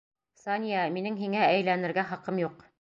Сания, минең һиңә әйләнергә хаҡым юҡ!